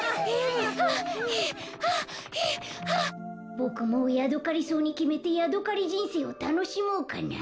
ボクもうヤドカリソウにきめてヤドカリじんせいをたのしもうかな。